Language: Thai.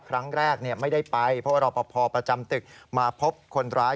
ครั้งแรกไม่ได้ไปเพราะว่ารอปภประจำตึกมาพบคนร้าย